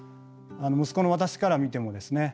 息子の私から見てもですね